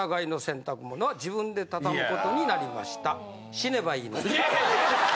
死ねばいいのに。